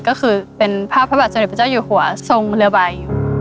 ก็คือเป็นภาพพระบาทสมเด็จพระเจ้าอยู่หัวทรงเรือใบอยู่